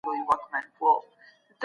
سیاستوال چیري د پوهني حق غوښتنه کوي؟